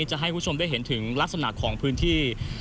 จะให้คุณผู้ชมได้เห็นถึงลักษณะของพื้นที่